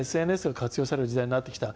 ＳＮＳが活用される時代になってきた。